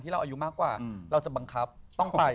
ที่ตัดสินใจเหมือนกันไป